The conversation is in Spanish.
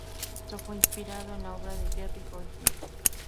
Esto fue inspirado en la obra de Jerry Goldsmith.